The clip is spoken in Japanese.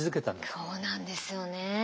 そうなんですよね。